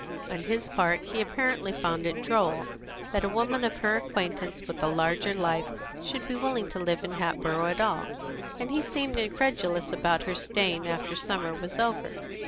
On his part, he apparently found it droll that a woman of her acquaintance with a larger life should be willing to live in Hatboro' at all, and he seemed incredulous about her staying after summer was over.